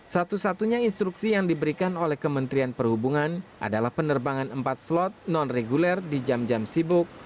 satu satunya instruksi yang diberikan oleh kementerian perhubungan adalah penerbangan empat slot non reguler di jam jam sibuk